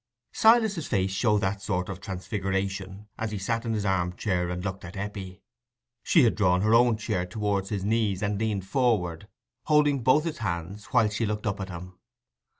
Silas's face showed that sort of transfiguration, as he sat in his arm chair and looked at Eppie. She had drawn her own chair towards his knees, and leaned forward, holding both his hands, while she looked up at him.